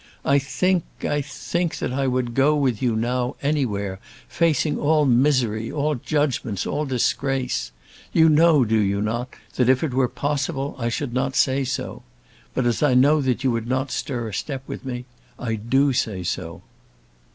I think, I think, that I would go with you now anywhere, facing all misery, all judgments, all disgrace. You know, do you not, that if it were possible, I should not say so. But as I know that you would not stir a step with me, I do say so."